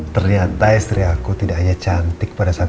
ternyata istri aku tidak hanya cantik pada saat